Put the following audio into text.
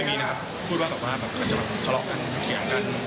เคยมีนะครับพูดว่าประมาณก็จะตะเลาะกันเขียงกัน